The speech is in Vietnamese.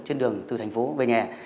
trên đường từ thành phố về nhà